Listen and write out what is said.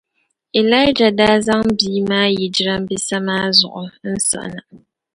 Ilaija daa zaŋ bia maa yi jirambisa maa zuɣu n-siɣi na.